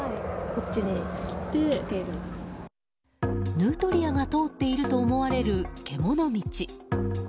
ヌートリアが通っていると思われる獣道。